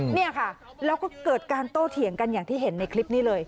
เนี่ยค่ะแล้วก็เกิดการโต้เถียงกันอย่างที่เห็นในคลิปนี้เลย